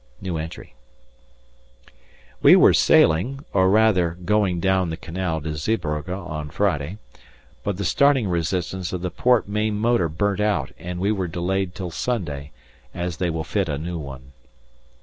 We were sailing, or rather going down the canal to Zeebrugge on Friday, but the starting resistance of the port main motor burnt out and we were delayed till Sunday, as they will fit a new one.